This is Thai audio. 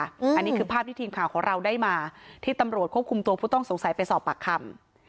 อันนี้คือภาพที่ทีมข่าวของเราได้มาที่ตำรวจควบคุมตัวผู้ต้องสงสัยไปสอบปากคำ